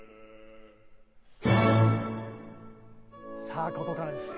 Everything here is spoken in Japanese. さあここからです。